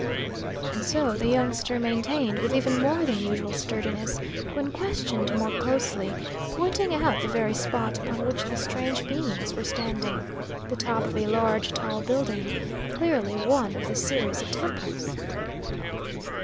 And so the youngster maintained with even more than usual sturdiness, when questioned more closely, pointing out the very spot upon which the strange beings were standing, the top of a large, tall building, clearly one of the series of temples.